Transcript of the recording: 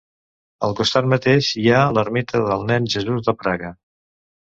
Al costat mateix hi ha l'Ermita del Nen Jesús de Praga.